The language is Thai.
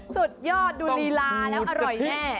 สุดยอดดูลีลาแล้วอร่อยแน่